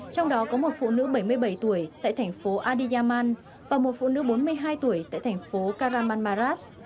trong đó có một phụ nữ bảy mươi bảy tuổi tại thành phố adiyaman và một phụ nữ bốn mươi hai tuổi tại thành phố karaman maras